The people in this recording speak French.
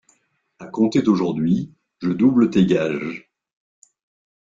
A compter d’aujourd’hui, je double tes gages.